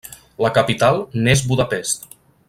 La capital n'és Budapest.